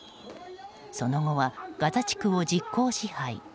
その後は、ガザ地区を実効支配。